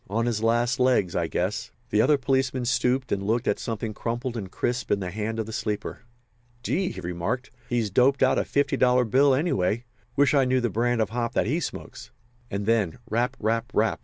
On his last legs, I guess." The other policeman stooped and looked at something crumpled and crisp in the hand of the sleeper. "Gee!" he remarked. "He's doped out a fifty dollar bill, anyway. Wish I knew the brand of hop that he smokes." And then "Rap, rap, rap!"